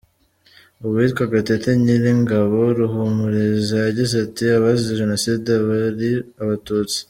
Uwitwa Gatete Nyiringabo Ruhumuliza, yagize ati “Abazize Jenoside bari Abatutsi.